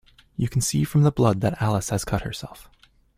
You can see from the blood that Alice has cut herself